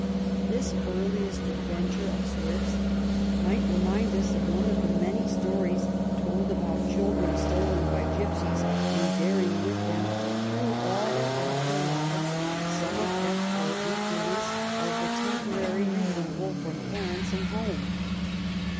This earliest adventure of Swift's might remind us of one of the many stories told about children stolen by gypsies and bearing with them through all their after lives some effect or in fluence of the temporary removal from parents and home.